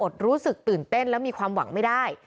รู้สึกตื่นเต้นและมีความหวังไม่ได้